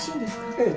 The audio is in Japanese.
ええ。